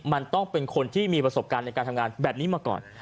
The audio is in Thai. มันต้องเป็นคนที่มีประสบการณ์ในการทำงานแบบนี้มาก่อน